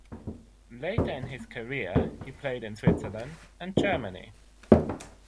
Later in his career, he played in Switzerland and Germany.